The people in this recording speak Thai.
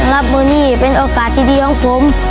รับมือนี่เป็นโอกาสที่ดีของผม